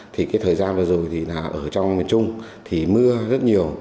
thì cái thời gian vừa rồi thì là ở trong miền trung thì mưa rất nhiều